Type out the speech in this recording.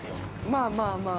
◆まあまあまあ。